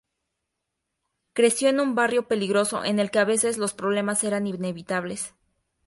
Creció en un barrio peligroso en el que a veces los problemas eran inevitables.